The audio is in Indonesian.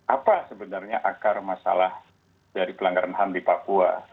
apa sebenarnya akar masalah dari pelanggaran ham di papua